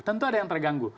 tentu ada yang terganggu